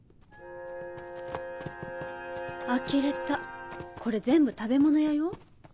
あきれたこれ全部食べ物屋よ。